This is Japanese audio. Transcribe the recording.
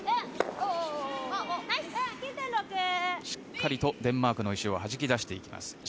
しっかりとデンマークの石をはじき出していきます。